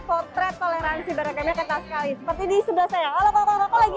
potret toleransi beragamnya kata sekali seperti di sebelah saya lagi apa ini kok lagi lagi